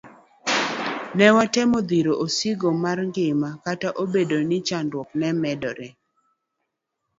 Newatemo dhiro osigo mar ngima kata obedo ni chandruok ne medore.